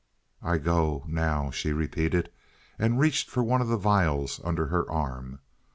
"I go now," she repeated, and reached for one of the vials under her arm.